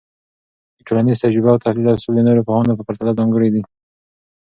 د ټولنيز تجزیه او تحلیل اصول د نورو پوهانو په پرتله ځانګړي دي.